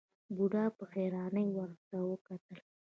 بوډا په حيرانۍ ورته وکتل.